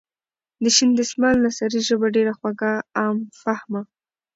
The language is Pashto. د شین دسمال نثري ژبه ډېره خوږه ،عام فهمه.